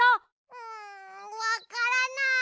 うんわからない。